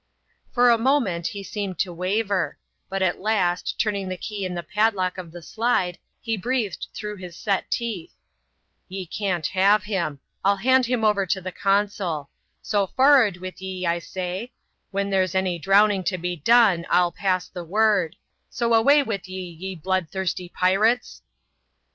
For a moment he seemed to waver ; but at last, turning the key in the padlock of the slide, he breathed through his set teeth —" Ye can't have him ; 111 hand him over to the consul ; 80 for'ard with ye, I say : when there's any drowning to be done, m pass the word ; so away with ye, ye bloodthirsty pirates!"